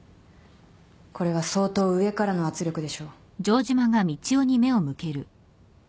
これは相当上からの圧力でしょう。